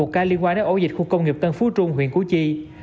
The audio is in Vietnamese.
một ca liên quan đến ổ dịch khu công nghiệp tân phú trung huyện củ chi